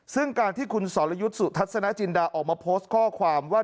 ซึ่งการที่คุณสรยุทธ์สุทัศนจินดาออกมาโพสต์ข้อความว่า